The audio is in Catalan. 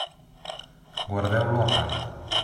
Guardeu-lo a part.